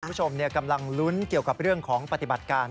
คุณผู้ชมกำลังลุ้นเกี่ยวกับเรื่องของปฏิบัติการ